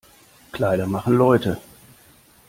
Kleider machen Leute.